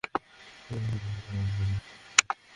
বাচ্চারা ধোকা দেয়ার জন্য এসব কাজ করে না।